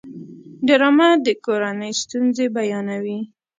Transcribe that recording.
ډرامه د کورنۍ ستونزې بیانوي